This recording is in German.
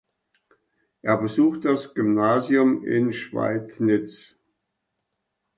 Er besuchte das Gymnasium in Schweidnitz.